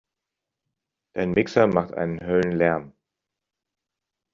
Dein Mixer macht einen Höllenlärm!